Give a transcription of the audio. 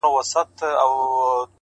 بریا د صبر او نظم ملګرې ده